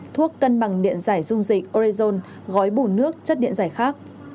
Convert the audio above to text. thuốc cân bằng điện giải dung dịch orezon gói bủ nước chất điện giải khác